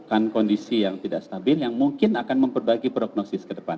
bukan kondisi yang tidak stabil yang mungkin akan memperbaiki prognosis ke depan